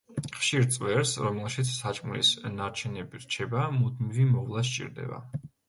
ხშირ წვერს, რომელშიც საჭმლის ნარჩენები რჩება, მუდმივი მოვლა სჭირდება.